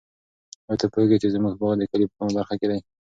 آیا ته پوهېږې چې زموږ باغ د کلي په کومه برخه کې دی؟